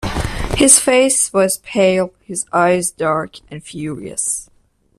His face was pale, his eyes dark and furious.